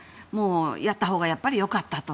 やったほうがやっぱり良かったと。